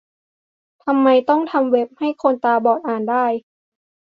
ทำไมต้องทำเว็บให้คนตาบอดอ่านได้ ?